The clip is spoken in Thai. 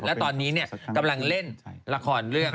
แล้วตอนนี้เนี่ยกำลังเล่นละครแรก